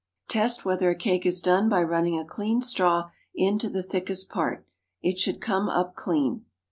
Test whether a cake is done by running a clean straw into the thickest part. It should come up clean.